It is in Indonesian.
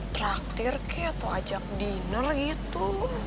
traktir kek atau ajak dinner gitu